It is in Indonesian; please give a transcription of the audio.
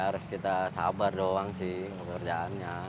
harus kita sabar doang sih pekerjaannya